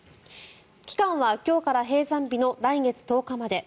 期間は今日から閉山日の来月１０日まで。